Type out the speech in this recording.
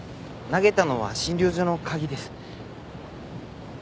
投げたのは診療所の鍵です。